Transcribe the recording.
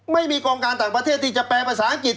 ไม่มีกองการต่างประเทศที่จะแปลภาษาอังกฤษ